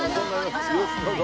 どうぞ。